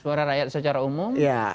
suara rakyat secara umum